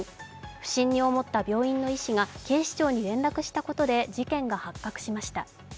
不審に思った病院の医師が警視庁に連絡したことで事件が発覚しました。